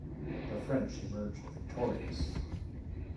The French emerged victorious.